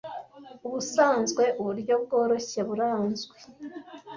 Ubusanzwe uburyo bwo bworoshye buranzwi